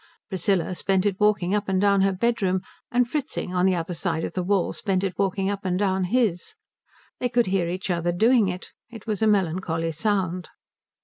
Priscilla spent it walking up and down her bedroom, and Fritzing on the other side of the wall spent it walking up and down his. They could hear each other doing it; it was a melancholy sound.